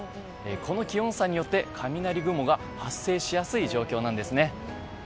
この気温差によって、雷雲が発生しやすい状況なんですね。